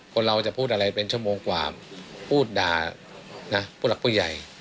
คนเราจะพูดอะไรเป็นชั่วโมงกว่าพูดด่าผู้หลักผู้ใหญ่